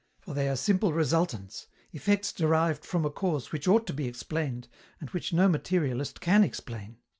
For they are simple resultants, effects derived from a cause which ought to be explained, and which no materialist can explain.